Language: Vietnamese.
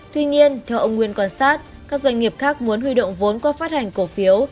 tuy nhiên theo ông nguyên quan sát các doanh nghiệp khác muốn huy động vốn qua phát hành cổ phiếu